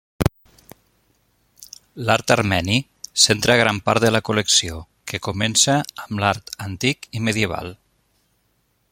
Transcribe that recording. L'art armeni centra gran part de la col·lecció, que comença amb l'art antic i medieval.